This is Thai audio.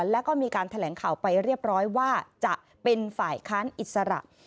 แล้วก็มีการแถลงข่าวไปเรียบร้อยว่าจะเป็นฝ่ายค้านอิสระ